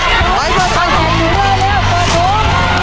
ขอลักษณะมาเร็ว